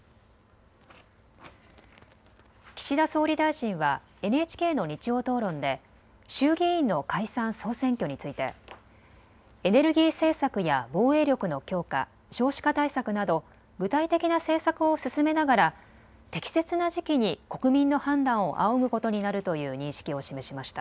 岸田総理大臣はＮＨＫの日曜討論で衆議院の解散・総選挙についてエネルギー政策や防衛力の強化、少子化対策など具体的な政策を進めながら適切な時期に国民の判断を仰ぐことになるという認識を示しました。